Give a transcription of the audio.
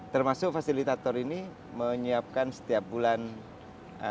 termasuk fasilitator ini menyiapkan setiap bulan